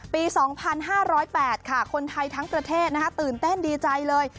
๒๕๐๘ค่ะคนไทยทั้งประเทศตื่นเต้นดีใจเลย